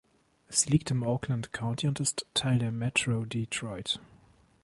Sie liegt im Oakland County und ist Teil der Metro Detroit.